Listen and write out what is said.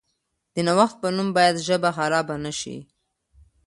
د نوښت په نوم باید ژبه خرابه نشي.